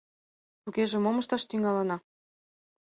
Тугеже мом ышташ тӱҥалына?